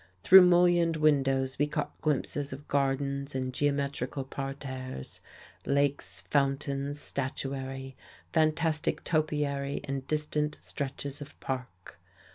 Through mullioned windows we caught glimpses of gardens and geometrical parterres, lakes, fountains, statuary, fantastic topiary and distant stretches of park.